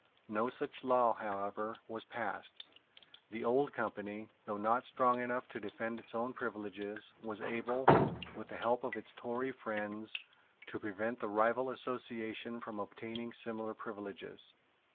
No such law, however, was passed. The Old Company, though not strong enough to defend its own privileges, was able, with the help of its Tory friends, to prevent the rival association from obtaining similar privileges.